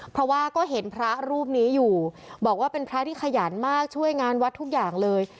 เพราะว่าก็เห็นพระรูปนี้อยู่บอกว่าเป็นพระที่ขยันมากช่วยงานวัดทุกอย่างเลย